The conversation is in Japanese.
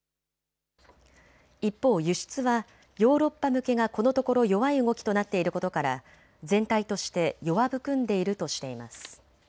一方、輸出はヨーロッパ向けがこのところ弱い動きとなっていることから全体として弱含んでいるとしています。